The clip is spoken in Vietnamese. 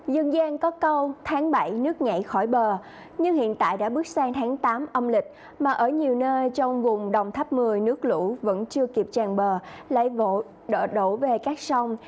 dân gian có câu tháng bảy nước nhảy khỏi bờ nhưng hiện tại đã bước sang tháng tám âm lịch mà ở nhiều nơi trong vùng đồng tháp một mươi nước lũ vẫn chưa kịp tràn bờ lại đổ về các sông